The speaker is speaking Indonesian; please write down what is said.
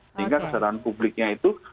sehingga kesadaran publiknya itu